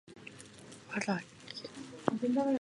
ｗ らげ ｒ